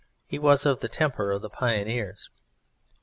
He was of the temper of the Pioneers.